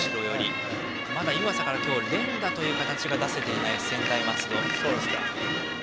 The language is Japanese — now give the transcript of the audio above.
今日、まだ湯浅から連打という形が出せていない専大松戸。